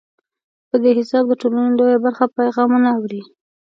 په دې حساب د ټولنې لویه برخه پیغامونه اوري.